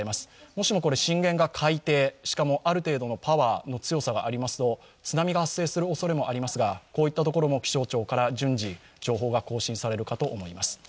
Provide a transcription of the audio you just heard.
もしも震源が海底、しかもある程度のパワーの強さがありますと津波が発生するおそれもありますが、こういったところも気象庁から順次情報が更新されるかと思います。